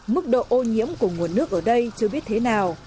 mức độ ô nhiễm của nguồn nước ở đây chưa biết thế nào